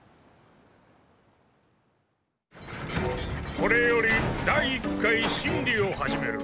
これより第１回審理を始める。